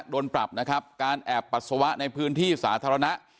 โดนปรับนะครับการแอบปัสสาวะในพื้นที่สาธารณะ